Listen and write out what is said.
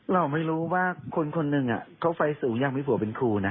เราไม่รู้ว่าคนคนหนึ่งเขาไฟสูงอยากมีผัวเป็นครูนะ